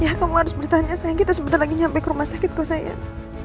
ya kamu harus bertahan ya sayang kita sebentar lagi nyampe ke rumah sakit kok sayang